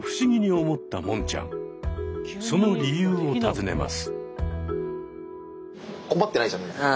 その理由を尋ねます。